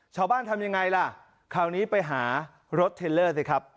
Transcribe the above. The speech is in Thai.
ทำยังไงล่ะคราวนี้ไปหารถเทลเลอร์สิครับ